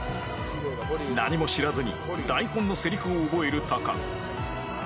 何も知らずに台本のせりふを覚える高野